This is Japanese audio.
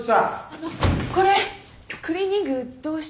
あのこれクリーニングどうしたら。